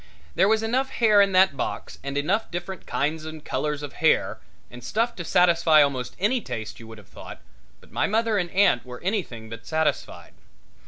There was enough hair in that box and enough different kinds and colors of hair and stuff to satisfy almost any taste, you would have thought, but my mother and aunt were anything but satisfied.